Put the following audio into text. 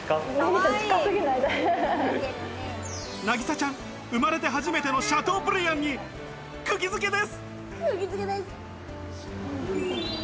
渚ちゃん、生まれて初めてのシャトーブリアンに釘付けです！